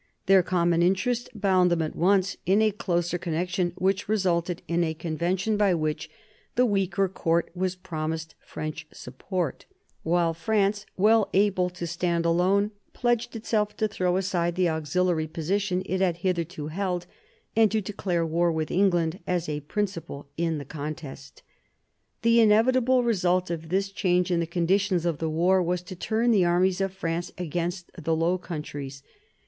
Their common interest * bound them at once in a closer connection, which re sulted in a convention by which the weaker court was promised French support; while France, well able to stand alone, pledged itself to throw aside the auxiliary position it had hitherto held, and to declare war with England as a principal in the contest The inevitable result of this change in the conditions of the war was to turn the armies of France against the Low Countries.